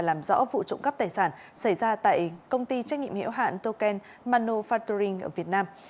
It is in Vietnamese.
làm rõ vụ trộm cắp tài sản xảy ra tại công ty trách nhiệm hiệu hạn token manufacturing ở việt nam